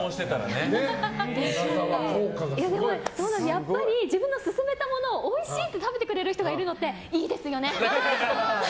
やっぱり自分の薦めたものをおいしいって食べてくれる人がいるのっていいですよね。